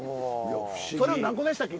それを何個でしたっけ？